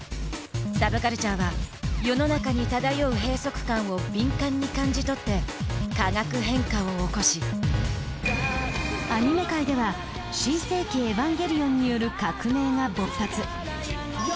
サブカルチャーは世の中に漂う閉塞感を敏感に感じ取って化学変化を起こしアニメ界では「新世紀エヴァンゲリオン」による革命が勃発。